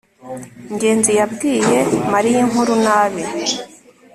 ngenzi yabwiye mariya inkuru nabi